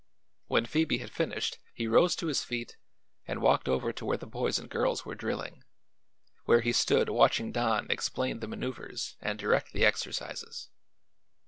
When Phoebe had finished he rose to his feet and walked over to where the boys and girls were drilling, where he stood watching Don explain the maneuvers and direct the exercises.